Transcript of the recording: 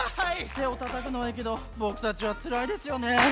てをたたくのはいいけどぼくたちはつらいですよね。